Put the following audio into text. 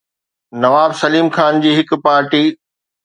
نواب سليم خان جي هڪ پارٽي